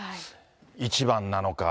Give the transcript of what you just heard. １番なのか